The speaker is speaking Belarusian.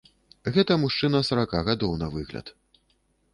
Гэта мужчына сарака гадоў на выгляд.